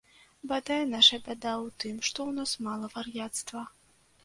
Бадай, наша бяда ў тым, што ў нас мала вар'яцтва.